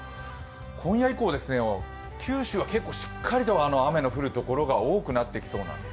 今夜以降九州は結構しっかりと雨の降るところが多くなってきそうなんです。